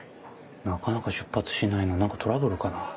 なかなか出発しないな何かトラブルかな？